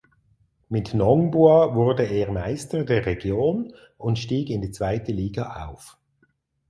Mit Nongbua wurde er Meister der Region und stieg in die zweite Liga auf.